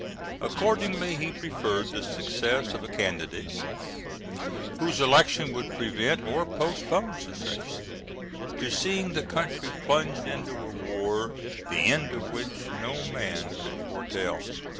Accordingly, he preferred the success of a candidate whose election would prevent or postpone secession, to seeing the country plunged into a war the end of which no man could foretell.